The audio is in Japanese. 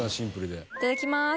いただきます。